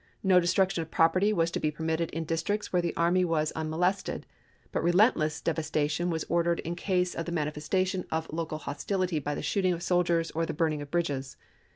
No destruction of property was to be permitted in districts where the army was un molested ; but relentless devastation was ordered in case of the manifestation of local hostility by the shooting of soldiers or the burning of bridges.